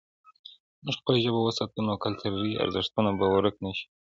که موږ خپله ژبه وساتو، نو کلتوري ارزښتونه به ورک نه سي.